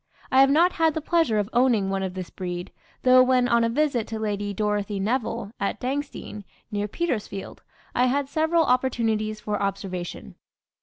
I have not had the pleasure of owning one of this breed, though when on a visit to Lady Dorothy Nevill, at Dangstein, near Petersfield, I had several opportunities for observation.